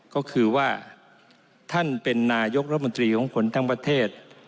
ก็คือว่าท่านเป็นนายกรัฐมนตรีของคนทั้งประเทศ